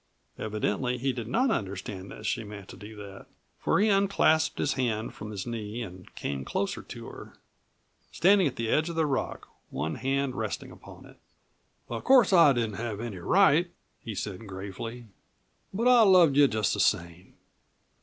Evidently he did not understand that she meant to do that, for he unclasped his hand from his knee and came closer to her, standing at the edge of the rock, one hand resting upon it. "Of course I didn't have any right," he said gravely, "but I loved you just the same.